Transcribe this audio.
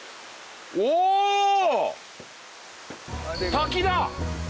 滝だ！